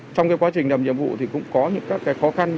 trong quá trình làm nhiệm vụ thì cũng có những các khó khăn